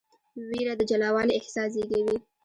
ویره د جلاوالي احساس زېږوي.